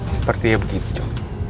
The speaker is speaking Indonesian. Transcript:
sepertinya begitu jho